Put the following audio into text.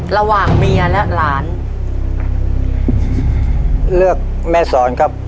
ระหว่างเมียและหลานเลือกแม่สอนครับ